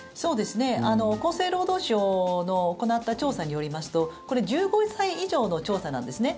厚生労働省の行った調査によりますとこれ１５歳以上の調査なんですね。